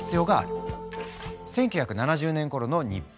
１９７０年ごろの日本。